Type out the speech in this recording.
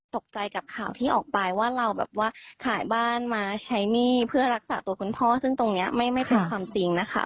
ตกใจกับข่าวที่ออกไปว่าเราแบบว่าขายบ้านมาใช้หนี้เพื่อรักษาตัวคุณพ่อซึ่งตรงนี้ไม่เป็นความจริงนะคะ